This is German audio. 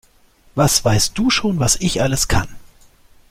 Was weißt du schon, was ich alles kann?